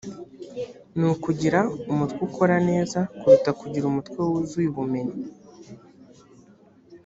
ni ukugira umutwe ukora neza kuruta kugira umutwe wuzuye ubumenyi